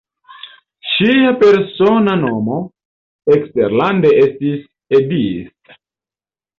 Ŝia persona nomo eksterlande estis "Edith".